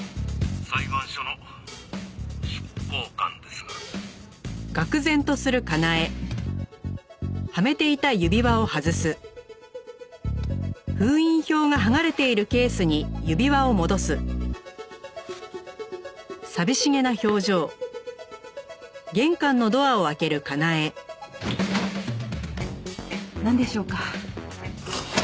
「裁判所の執行官ですが」なんでしょうか？